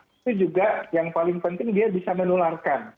itu juga yang paling penting dia bisa menularkan